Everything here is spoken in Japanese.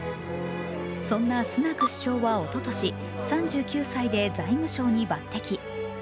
そんなスナク首相はおととし３９歳で財務相に抜てき。